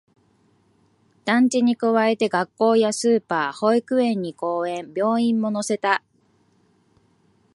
団地に加えて、学校やスーパー、保育園に公園、病院も乗せた